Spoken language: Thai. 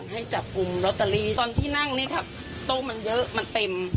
ให้จับกลุ่มลอตเตอรี่ตอนที่นั่งนี่ครับตู้มันเยอะมันเต็ม